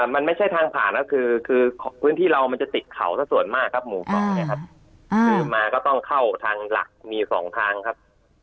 มันไม่ใช่ทางผ่านแล้วคือพื้นที่เรามันจะติดเขาสักส่วนมากครับหมู่๒เนี่ยครับคือมาก็ต้องเข้าทางหลักมีสองทางครับ